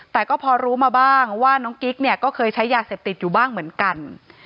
แต่ก็พอรู้มาบ้างว่าน้องกิ๊กเนี่ยก็เคยใช้ยาเสพติดอยู่บ้างเหมือนกัน